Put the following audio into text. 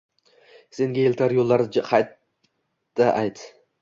Senga eltar yo’llar qayda ayt!